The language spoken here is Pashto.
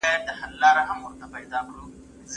سمندري پولې د تجارت لپاره ډېرې مهمې دي.